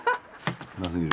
うますぎる。